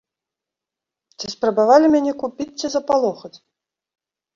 Ці спрабавалі мяне купіць ці запалохаць?